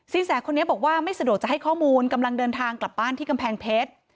แสคนนี้บอกว่าไม่สะดวกจะให้ข้อมูลกำลังเดินทางกลับบ้านที่กำแพงเพชร